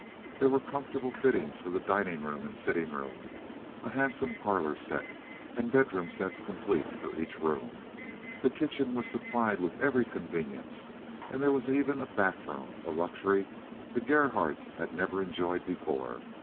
There were comfortable fittings for the dining room and sitting room, a handsome parlor set and bedroom sets complete for each room. The kitchen was supplied with every convenience, and there was even a bath room, a luxury the Gerhardts had never enjoyed before.